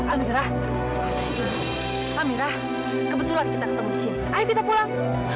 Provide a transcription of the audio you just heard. amirah amirah kebetulan kita ketemu sini ayo kita pulang